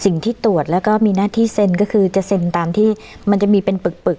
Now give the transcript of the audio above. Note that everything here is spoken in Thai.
สิ่งที่ตรวจแล้วก็มีหน้าที่เซ็นก็คือจะเซ็นตามที่มันจะมีเป็นปึกปึก